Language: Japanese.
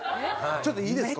ちょっといいですか？